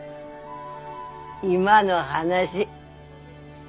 今の話。